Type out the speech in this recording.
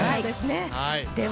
では